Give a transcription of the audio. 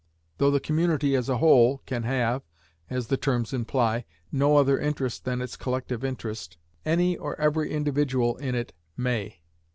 Though the community, as a whole, can have (as the terms imply) no other interest than its collective interest, any or every individual in it may.